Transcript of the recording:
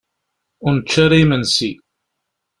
Ur nečči ara imensi.